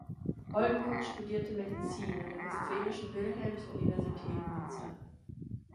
Oldenkott studierte Medizin an der Westfälischen Wilhelms-Universität Münster.